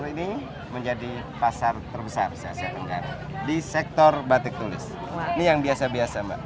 pasar ini menjadi pasar terbesar di sektor batik tulis ini yang biasa biasa mbak